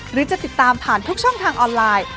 หรือจะติดตามผ่านทุกช่องทางออนไลน์